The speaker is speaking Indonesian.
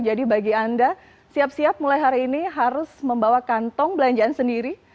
jadi bagi anda siap siap mulai hari ini harus membawa kantong belanjaan sendiri